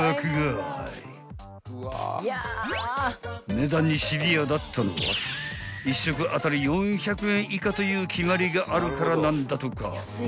［値段にシビアだったのは１食当たり４００円以下という決まりがあるからなんだとか］